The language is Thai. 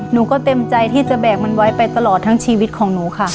หนูก็เต็มใจที่จะแบกมันไว้ไปตลอดทั้งชีวิตของหนูค่ะ